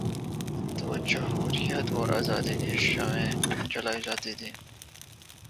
تو جمہوریت اور آزادی کی شمعیں جلائی جاتی تھیں۔